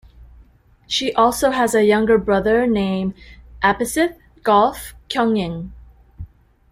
She also have a younger brother name Apisith Golf Kongying.